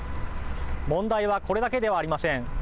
問題はこれだけではありません。